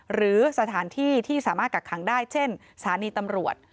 หรือสถานที่ที่สามารถกักขังได้เช่นสถานีตำรวจ